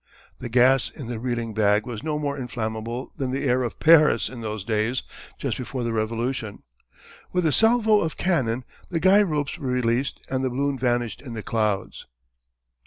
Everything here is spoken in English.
The gas in the reeling bag was no more inflammable than the air of Paris in those days just before the Revolution. With a salvo of cannon the guy ropes were released and the balloon vanished in the clouds.